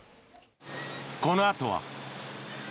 このあとは。